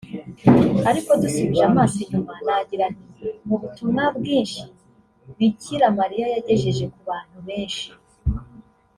Aliko dusubije amaso inyuma nagira nti " mu butumwa bwinshi Bikira Mariya yagejeje ku bantu benshi